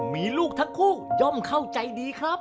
มีลูกทั้งคู่ย่อมเข้าใจดีครับ